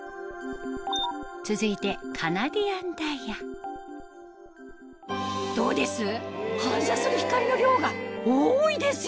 続いてカナディアンダイヤどうです？